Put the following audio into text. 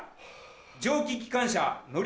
蒸気機関車乗り